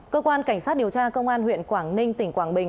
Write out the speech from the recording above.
cơ quan cảnh sát điều tra công an huyện quảng ninh tỉnh quảng bình